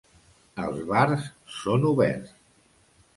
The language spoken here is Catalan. Els bars són oberts.